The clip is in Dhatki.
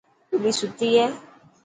ٻلي ستي هي.